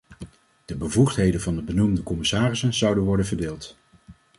De bevoegdheden van de benoemde commissarissen zouden worden verdeeld.